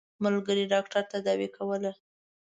ملګري ډاکټر تداوي کوله.